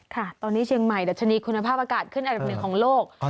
ค่ะตอนนี้เชียงใหม่ดัชนีคุณภาพอากาศขึ้นอันดับหนึ่งของโลก